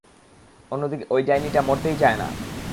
অন্যদিকে, ঐ ডাইনিটা, মরতেই চায় না।